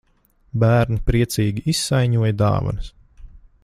Bērni priecīgi izsaiņoja dāvanas.